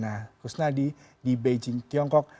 nama diana kusnadi di beijing tiongkok